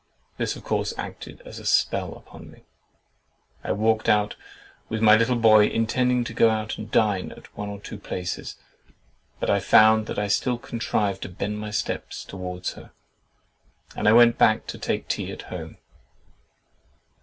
This of course acted as a spell upon me. I walked out with my little boy, intending to go and dine out at one or two places, but I found that I still contrived to bend my steps towards her, and I went back to take tea at home.